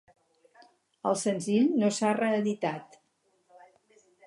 El senzill no s'ha reeditat.